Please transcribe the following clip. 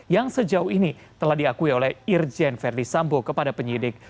yang sejauh ini telah diakui oleh irjen verdi sambo kepada penyidik